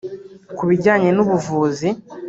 Ku bijyanye n’ubuvuzi